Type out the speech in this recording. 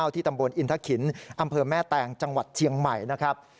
ที่ตำบลอินทะขินอำเภอแม่แตงจังหวัดเชียงใหม่นะครับ